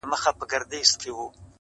ته لږه ایسته سه چي ما وویني,